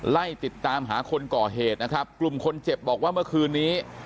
ไล่ติดตามหาคนก่อเหตุนะครับกลุ่มคนเจ็บบอกว่าเมื่อคืนนี้